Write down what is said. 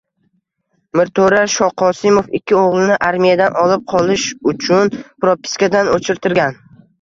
Mirto`ra Shoqosimov ikki o`g`lini armiyadan olib qolish uchun propiskadan o`chirtirgan